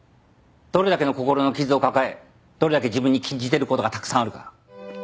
どれだけの心の傷を抱えどれだけ自分に禁じてる事がたくさんあるか。